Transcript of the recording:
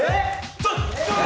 ちょっ！